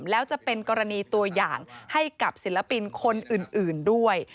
แล้วจะเป็นกรณีตัวอย่างให้กับศิลปินคนอื่นด้วย